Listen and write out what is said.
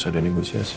harus ada negosiasi